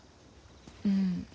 うん。